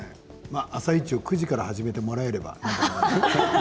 「あさイチ」を９時から始めてもらえれば。